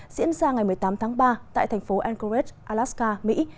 diễn ra ngày một mươi tám tháng ba tại thành phố antorech alaska mỹ